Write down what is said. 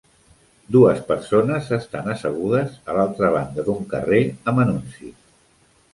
Dues persones s'estan assegudes a l'altra banda d'un carrer amb anuncis.